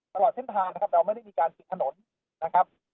ตลอดเส้นทางนะครับเราไม่ได้มีการปิดถนนนะครับ